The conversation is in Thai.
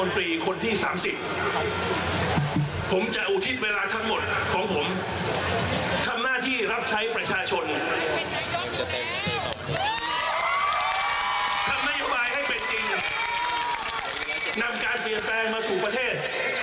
นำนโยบายให้เป็นจริงนำการเปลี่ยนแปลงมาสู่ประเทศ